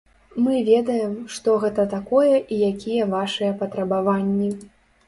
Мы ведаем, што гэта такое і якія вашыя патрабаванні.